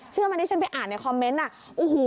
เชื่อมันให้ฉันไปอ่านในคอมเมนต์